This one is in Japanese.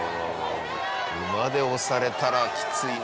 馬で押されたらきついな。